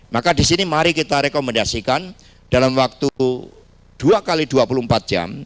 maka di sini mari kita rekomendasikan dalam waktu dua x dua puluh empat jam